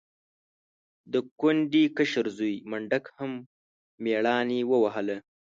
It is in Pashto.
د کونډې کشر زوی منډک هم مېړانې ووهله.